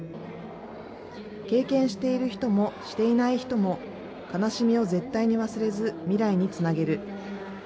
経験している人もしていない人も、悲しみを絶対に忘れず未来につなげる。